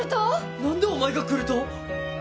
何でお前が来ると？